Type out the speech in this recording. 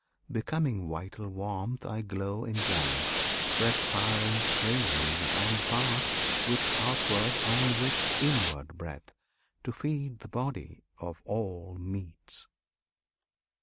Becoming vital warmth, I glow in glad, respiring frames, and pass, With outward and with inward breath, to feed The body by all meats.